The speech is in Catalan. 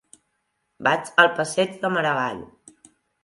Vaig al passeig de Maragall.